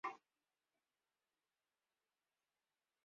These events triggered the first Indo-Pakistan War.